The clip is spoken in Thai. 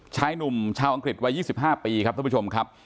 ชายหนุ่มชาวอังกฤษวัย๒๕ปีครับท่านผู้ชมครับ